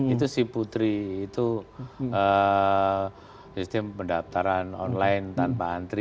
itu si putri itu sistem pendaftaran online tanpa antri